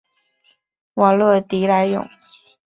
瓦勒迪莱永。